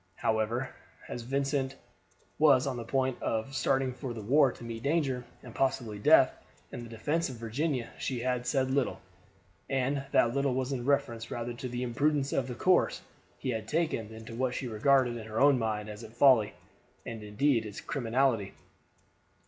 However, as Vincent was on the point of starting for the war to meet danger, and possibly death, in the defense of Virginia, she had said little, and that little was in reference rather to the imprudence of the course he had taken than to what she regarded in her own mind as its folly, and indeed its criminality.